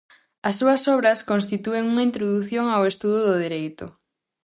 As súas obras constitúen unha introdución ao estudo do dereito.